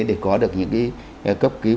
để có được những cái cấp cứu